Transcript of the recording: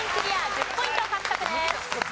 １０ポイント獲得です。